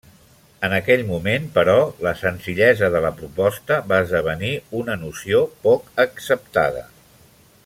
En aquell moment, però, la senzillesa de la proposta va esdevenir una noció poc acceptada.